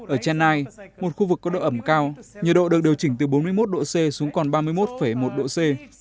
ở chennai một khu vực có độ ẩm cao nhiệt độ được điều chỉnh từ bốn mươi một độ c xuống còn ba mươi một một độ c